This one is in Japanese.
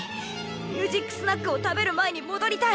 「ミュージックスナック」を食べる前にもどりたい！